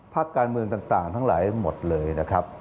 พักการเมืองต่างทั้งหลายหมดเลยนะครับ